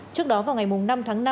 trước đó vào ngày năm tháng năm